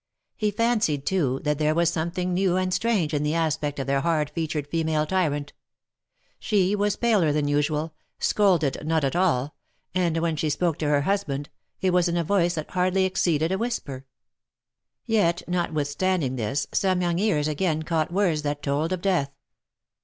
He fan cied, too, that there was something new and strange in the aspect of their hard featured female tyrant ; she was paler than usual, scolded not at all, and when she spoke to her husband, it was in a voice that hardly exceeded a whisper. Yet, notwithstanding this, some young ears again caught words that told of death.